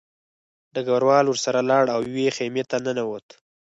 ډګروال ورسره لاړ او یوې خیمې ته ننوت